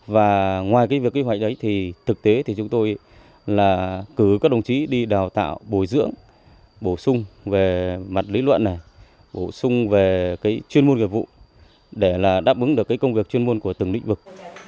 và ngoài việc kế hoạch đấy thì thực tế thì chúng tôi là cử các đồng chí đi đào tạo bồi dưỡng bổ sung về mặt lý luận bổ sung về cái chuyên môn nghiệp vụ để đáp ứng được cái công việc chuyên môn của từng lĩnh vực